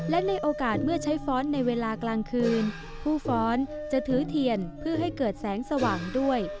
และในโอกาสเมื่อใช้ฟ้อนในเวลากลางคืนผู้ฟ้อนจะถือเทียนเพื่อให้เกิดแสงสว่างด้วย